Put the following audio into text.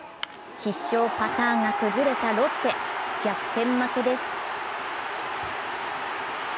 必勝パターンが崩れたロッテ逆転負けです。